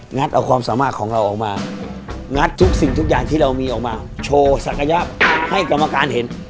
ัดเอาความสามารถของเราออกมางัดทุกสิ่งทุกอย่างที่เรามีออกมาโชว์ศักยะให้กรรมการเห็น